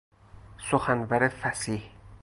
سخنور فصیح